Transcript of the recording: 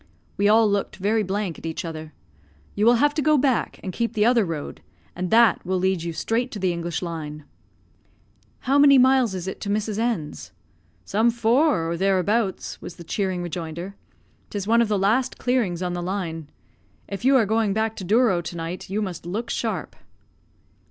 We all looked very blank at each other. "You will have to go back, and keep the other road, and that will lead you straight to the English Line." "How many miles is it to Mrs. N 's?" "Some four, or thereabouts," was the cheering rejoinder. "'Tis one of the last clearings on the line. If you are going back to Douro to night, you must look sharp."